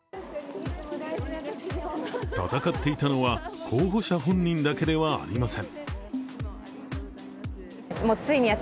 戦っていたのは候補者本人だけではありません。